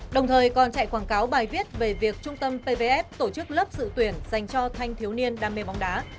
đồng thời còn chạy quảng cáo bài viết về việc trung tâm pvf tổ chức lớp dự tuyển dành cho thanh thiếu niên đam mê bóng đá